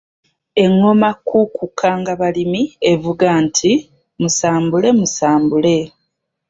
"Engoma Kuukukkangabalimi evuga nti “Musambule, musambule.”"